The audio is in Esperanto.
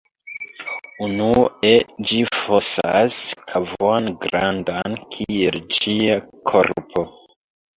Unue ĝi fosas kavon grandan kiel ĝia korpo.